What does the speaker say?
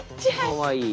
かわいい。